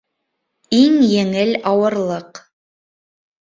Иң еңел ауырлыҡ